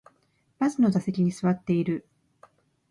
バスの座席に座っている